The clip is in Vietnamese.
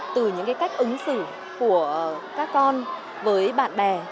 từ những cách ứng xử của các con với bạn bè